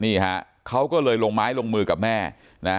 นี่ฮะเขาก็เลยลงไม้ลงมือกับแม่นะ